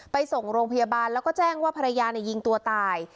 ไปส่งโรงพยาบาลแล้วก็แจ้งว่าภรรยายิงตัวตาย